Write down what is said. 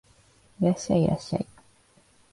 いらっしゃい、いらっしゃい